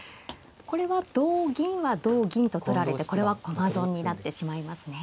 これは同銀は同銀と取られてこれは駒損になってしまいますね。